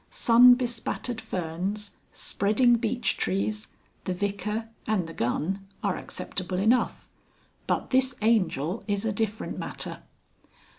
Sunbespattered ferns, spreading beech trees, the Vicar and the gun are acceptable enough. But this Angel is a different matter.